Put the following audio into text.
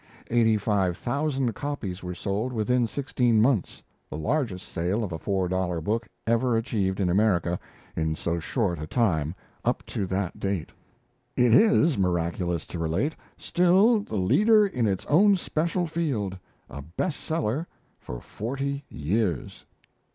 Eighty five thousand copies were sold within sixteen months, the largest sale of a four dollar book ever achieved in America in so short a time up to that date. It is, miraculous to relate, still the leader in its own special field a "bestseller" for forty years!